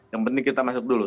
yang penting kita masuk dulu